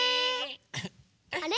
あれ？